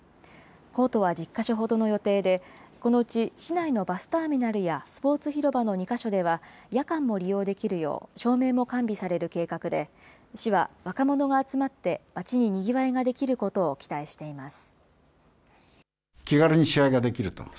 コートは１０か所ほどの予定で、このうち市内のバスターミナルやスポーツ広場の２か所では、夜間も利用できるよう照明も完備される計画で、市は若者が集まって、町ににぎわいができることを期待しています。